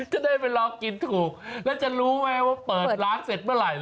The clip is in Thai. จะได้ไปลองกินถูกแล้วจะรู้ไหมว่าเปิดร้านเสร็จเมื่อไหร่